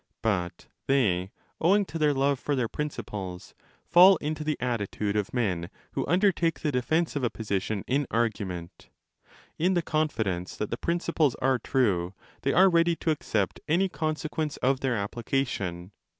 But they, owing to their love for their principles, fall into the attitude of men who undertake the defence of a position in argument. In the confidence that the principles are true they are ready to accept any consequence of their application.